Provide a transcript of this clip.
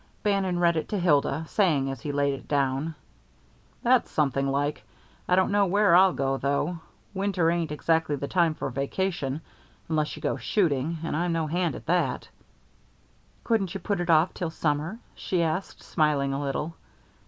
Bannon read it to Hilda, saying as he laid it down: "That's something like. I don't know where'll I go, though. Winter ain't exactly the time for a vacation, unless you go shooting, and I'm no hand for that." "Couldn't you put it off till summer?" she asked, smiling a little.